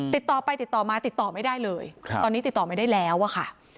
ติดต่อไปติดต่อมาติดต่อไม่ได้เลยตอนนี้ติดต่อไม่ได้แล้วอะค่ะ